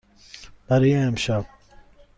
برای امشب.